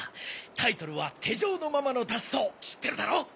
タイトルは『手錠のままの脱走』知ってるだろ？